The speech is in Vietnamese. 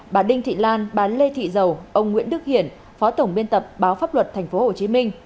bà đinh thị lan bà lê thị dầu ông nguyễn đức hiển phó tổng biên tập báo pháp luật tp hcm